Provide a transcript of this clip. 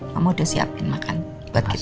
kamu udah siapin makan buat kita